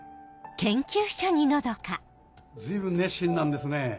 随分熱心なんですね。